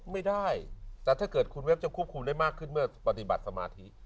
ไม่ได้แต่ถ้าเกิดคุณเว็บจะควบคุมได้มากขึ้นเมื่อปฏิบัติสมาธิ